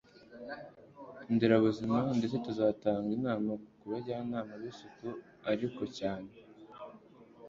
nderabuzima, ndetse tuzatanga inama ku bajyanama b'isuku ariko cyane